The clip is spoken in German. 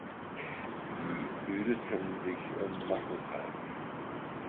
Sie bildeten sich im Massenkalk.